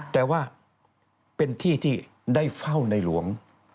แต่ว่าเป็นที่ที่ได้เฝ้าในหลวง